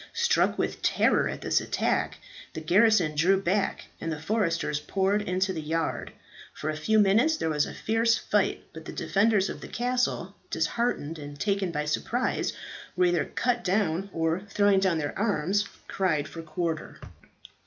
Struck with terror at this attack, the garrison drew back, and the foresters poured into the yard. For a few minutes there was a fierce fight; but the defenders of the castle, disheartened and taken by surprise, were either cut down or, throwing down their arms, cried for quarter.